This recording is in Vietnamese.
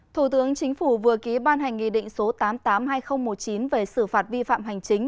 thủ tướng chính phủ vừa ký ban hành nghị định số tám trăm tám mươi hai nghìn một mươi chín về xử phạt vi phạm hành chính